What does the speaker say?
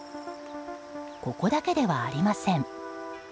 ここだけではありません。